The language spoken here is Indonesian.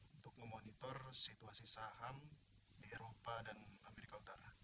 untuk memonitor situasi saham di eropa dan amerika utara